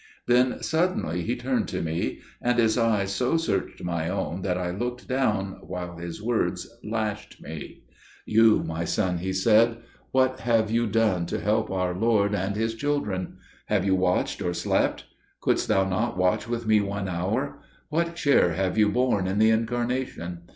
Then suddenly he turned to me, and his eyes so searched my own that I looked down, while his words lashed me. "You, my son," he said, "what have you done to help our Lord and His children? Have you watched or slept? Couldst thou not watch with me one hour? What share have you borne in the Incarnation?